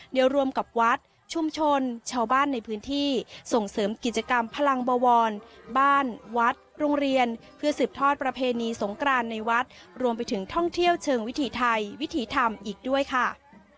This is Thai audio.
เดี๋ยวรวมกับวัดชุมชนชาวบ้านในพื้นที่ส่งเสริมกิจกรรมพลังบวรบ้านวัดโรงเรียนเพื่อสืบทอดประเพณีสงกรานในวัดรวมไปถึงท่องเที่ยวเชิงวิถีไทยวิถีธรรมอีกด้วยค่ะ